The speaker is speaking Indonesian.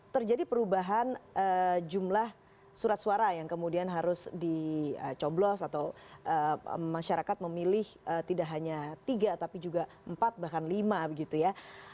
terjadi perubahan jumlah surat suara yang kemudian harus dicoblos atau masyarakat memilih tidak hanya tiga tapi juga empat bahkan lima begitu ya